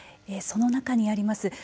その中にあります